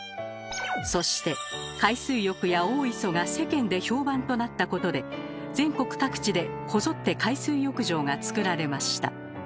そして海水浴や大磯が世間で評判となったことで全国各地でこぞって海水浴場がつくられました。